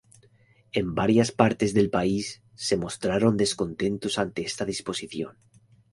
En varias partes del país se mostraron descontentos ante esta disposición.